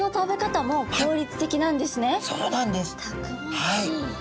はい。